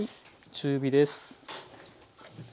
中火です。